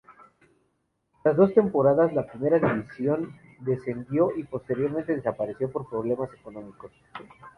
Tras dos temporadas en la primera división, descendió y posteriormente desapareció por problemas económicos.